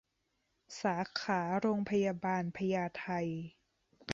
สาขาโรงพยาบาลพญาไท